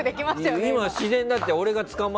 今、自然だったよ。